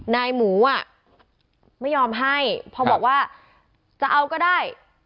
ไน้หมูไม่ยอมให้เพราะบอกว่าจะเอาก็ได้